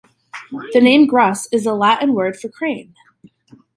The name "Grus" is the Latin word for "crane".